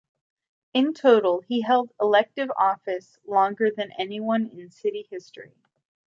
In total, he held elective office longer than anyone in city history.